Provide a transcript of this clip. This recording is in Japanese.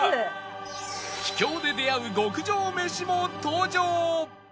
秘境で出会う極上飯も登場！